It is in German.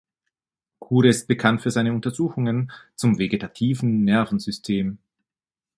Kure ist bekannt für seine Untersuchungen zum Vegetativen Nervensystem.